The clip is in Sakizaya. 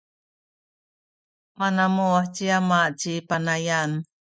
manamuh ci ama ci Panayan.